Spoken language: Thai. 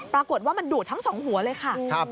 ปรากฏว่ามันดูดทั้งสองหัวเลยค่ะ